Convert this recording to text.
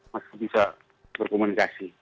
masih bisa berkomunikasi